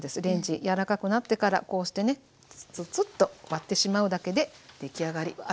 レンジ柔らかくなってからこうしてねツツッと割ってしまうだけで出来上がり。